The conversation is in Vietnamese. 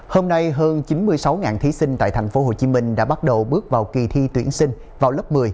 hôm nay hơn chín mươi sáu thí sinh tại tp hcm đã bắt đầu bước vào kỳ thi tuyển sinh vào lớp một mươi